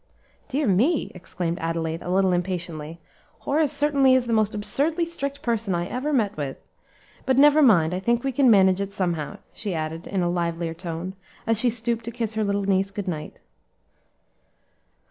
"Dear me!" exclaimed Adelaide, a little impatiently; "Horace certainly is the most absurdly strict person I ever met with. But never mind, I think we can manage it somehow," she added, in a livelier tone, as she stooped to kiss her little niece good night.